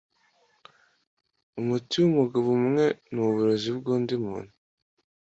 Umuti wumugabo umwe nuburozi bwundi muntu.